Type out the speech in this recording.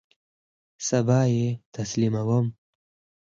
سبا یی تسلیموم